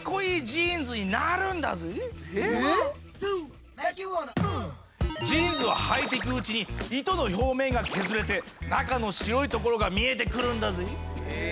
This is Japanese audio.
ジーンズははいていくうちに糸の表面が削れて中の白いところが見えてくるんだぜぇ！